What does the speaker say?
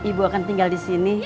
ya ibu akan tinggal disini